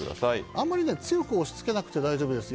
あんまり強く押し付けなくて大丈夫です。